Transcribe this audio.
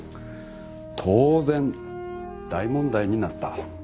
当然大問題になった。